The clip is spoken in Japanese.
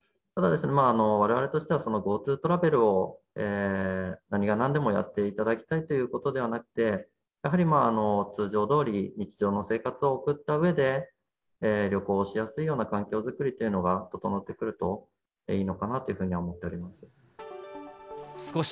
ただですね、われわれとしては、ＧｏＴｏトラベルを何がなんでもやっていただきたいということではなくて、やはりまあ、通常どおり、日常の生活を送ったうえで、旅行しやすいような環境作りというのが整ってくるといいのかなというふうには思っております。